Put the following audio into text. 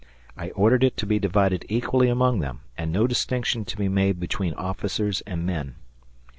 I ordered it to be divided equally among them and no distinction to be made between officers and men.